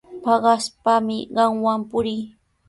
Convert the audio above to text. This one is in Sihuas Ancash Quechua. Paqaspami qamwan purii.